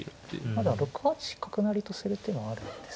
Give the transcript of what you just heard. まだ６八角成とする手もあるんですね。